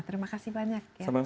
terima kasih banyak ya pak ide